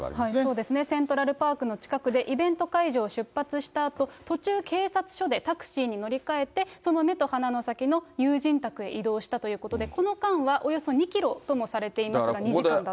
そうですね、セントラルパークの近くで、イベント会場を出発したあと、途中、警察署でタクシーに乗り換えて、その目と鼻の先の友人宅へ移動したということで、この間はおよそ２キロともされていますが、２時間だったと。